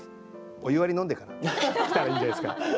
お湯割り飲んでから来たらいいんじゃないですか。